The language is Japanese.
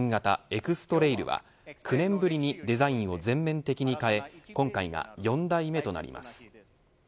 エクストレイルは、９年ぶりにデザインを全面的に変え今回が４代目となります。